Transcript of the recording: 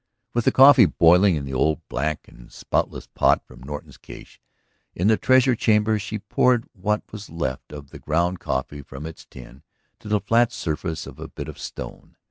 With the coffee boiling in the old black and spoutless pot from Norton's cache in the Treasure Chamber, she poured what was left of the ground coffee from its tin to the flat surface of a bit of stone.